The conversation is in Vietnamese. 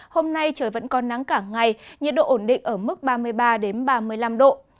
hôm nay trời vẫn còn nắng cả ngày nhiệt độ ổn định ở mức ba mươi ba ba mươi năm độ